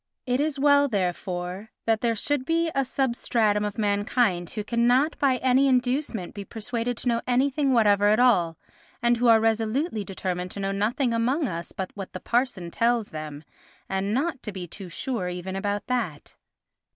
It is well, therefore, that there should be a substratum of mankind who cannot by any inducement be persuaded to know anything whatever at all, and who are resolutely determined to know nothing among us but what the parson tells them, and not to be too sure even about that.